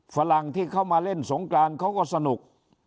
ฝรั่งที่เข้ามาเล่นสงกรานเขาก็สนุก